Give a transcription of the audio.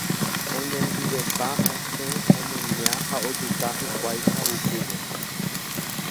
oñondivepa osẽ omuña ha ojuka hikuái Chavukúpe.